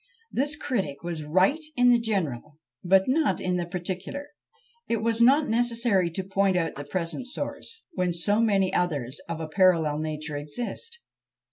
This critic was right in the general, but not in the particular. It was not necessary to point out the present source, when so many others of a parallel nature exist.